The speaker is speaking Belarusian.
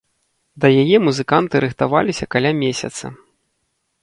Да яе музыканты рыхтаваліся каля месяца.